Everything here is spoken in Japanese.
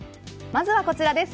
まずはこちらです。